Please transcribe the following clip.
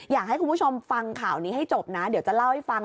อยากให้คุณผู้ชมฟังข่าวนี้ให้จบนะเดี๋ยวจะเล่าให้ฟัง